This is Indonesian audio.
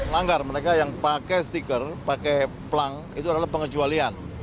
langgar mereka yang pakai stiker pakai pelang itu adalah pengecualian